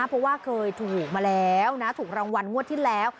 เพราะว่าเคยถูกมาแล้วนะถูกรางวัลงวดที่แล้ว